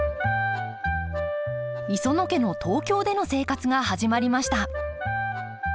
磯野家の東京での生活が始まりました